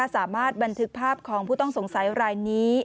สามารถบันทึกภาพของผู้ต้องสงสัยรายนี้